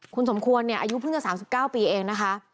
คุณสมควรเนี่ยอายุเพิ่งจะ๓๙ปีเองนะคะ